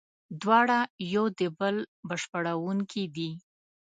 دواړه یو د بل بشپړوونکي دي.